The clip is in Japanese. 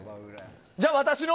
じゃあ、私の。